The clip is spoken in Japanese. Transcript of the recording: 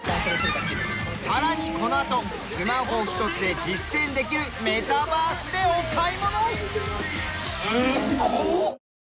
さらにこのあとスマホひとつで実践できるメタバースでお買い物。